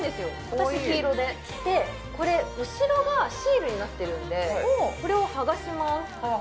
私黄色ででこれ後ろがシールになってるんでこれを剥がします